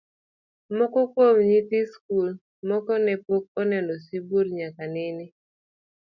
Moko kuom nyithi skul moko ne pok oneno sibuor nyaka nene.